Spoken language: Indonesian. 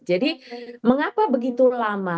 jadi mengapa begitu lama